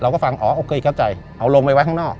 ก็ฟังอ๋อโอเคเข้าใจเอาลงไปไว้ข้างนอก